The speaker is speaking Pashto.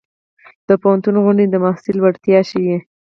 د پوهنتون غونډې د محصل وړتیا ښيي.